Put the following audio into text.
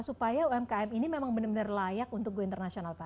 supaya umkm ini memang benar benar layak untuk go internasional pak